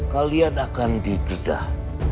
kalian akan didedah